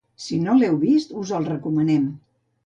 Si no l’heu vist, us el recomanem.